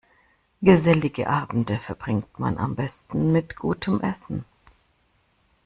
Gesellige Abende verbringt man am besten mit gutem Essen.